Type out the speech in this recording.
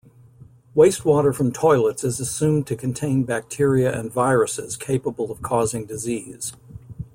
Wastewater from toilets is assumed to contain bacteria and viruses capable of causing disease.